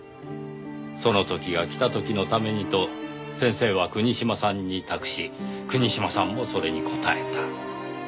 その時が来た時のためにと先生は国島さんに託し国島さんもそれに応えた。